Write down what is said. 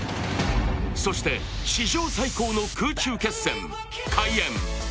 そして、史上最高の空中決戦、開演。